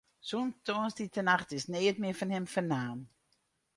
Sûnt tongersdeitenacht is neat mear fan him fernaam.